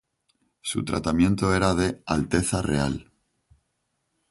Su tratamiento era de "Alteza Real".